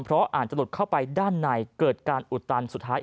เพราะอาจจะหลุดเข้าไปด้านในเกิดการอุดตันสุดท้าย